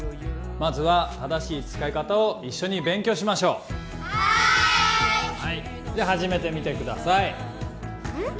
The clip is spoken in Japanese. まずは正しい使い方を一緒に勉強しましょうはーいはいじゃ始めてみてくださいうん？